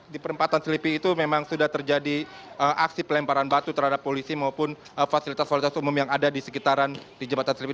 di perempatan selipi itu memang sudah terjadi aksi pelemparan batu terhadap polisi maupun fasilitas fasilitas umum yang ada di sekitaran di jembatan selipi